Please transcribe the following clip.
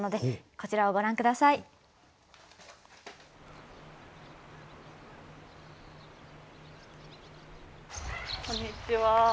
こんにちは。